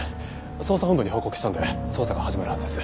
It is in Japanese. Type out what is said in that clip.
捜査本部に報告したんで捜査が始まるはずです。